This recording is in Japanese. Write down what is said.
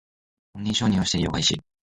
本人認証をして利用開始